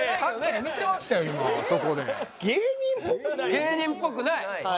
「芸人っぽくない」